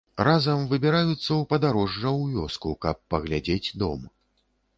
Разам выбіраюцца ў падарожжа ў вёску каб паглядзець дом.